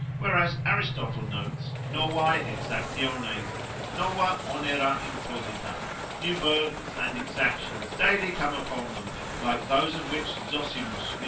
Whereas Aristotle notes, Novae exactiones, nova onera imposita, new burdens and exactions daily come upon them, like those of which Zosimus, lib.